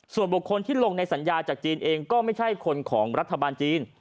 ส่วนบุคคลที่ลงในสัญญาจากจีนเองก็ไม่ใช่คนของรัฐบาลจีน